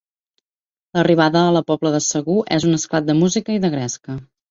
L'arribada a la Pobla de Segur és un esclat de música i de gresca.